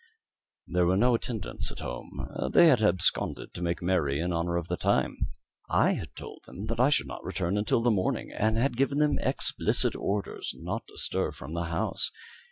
There were no attendants at home; they had absconded to make merry in honour of the time. I had told them that I should not return until the morning, and had given them explicit orders not to stir from the house.